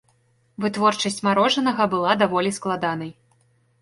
Вытворчасць марожанага была даволі складанай.